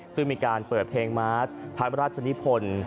ซึ่งมีการเปิดเพลงมาร์ทพระราชนิพล